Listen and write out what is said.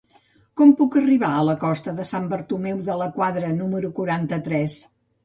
Com puc arribar a la costa de Sant Bartomeu de la Quadra número quaranta-tres?